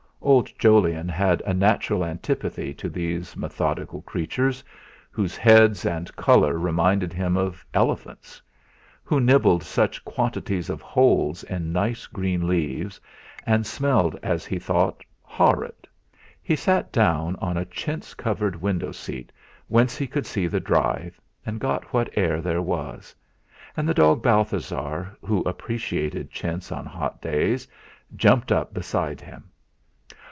Old Jolyon had a natural antipathy to these methodical creatures, whose heads and colour reminded him of elephants; who nibbled such quantities of holes in nice green leaves; and smelled, as he thought, horrid. He sat down on a chintz covered windowseat whence he could see the drive, and get what air there was; and the dog Balthasar who appreciated chintz on hot days, jumped up beside him.